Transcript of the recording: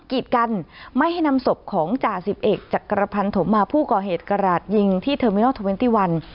กิจกันไม่ให้นำศพของจ่าสิบเอกจักรพันธมมาผู้ก่อเหตุกระหลาดยิงที่เทอร์มินอลเทอร์เวนตี้วัน